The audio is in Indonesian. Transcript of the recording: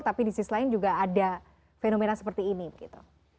tapi di sisi lain juga ada fenomena seperti ini begitu